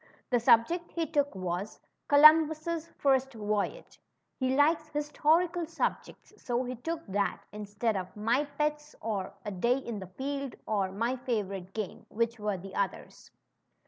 The subject he took was Co lumbus' First Voyage." He likes historical subjects, so he took that instead of ^^My Pets," or K Day in the Field," or My Favorite Game," which were the others.